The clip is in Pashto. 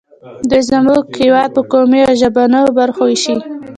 دوی زموږ هېواد په قومي او ژبنیو برخو ویشي